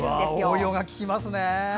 応用がききますね。